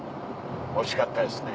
おいしかったですね。